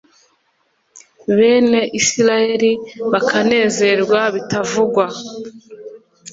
bene israheli bakanezerwa bitavugwa